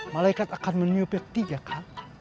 malaikat akan menyupit tiga kali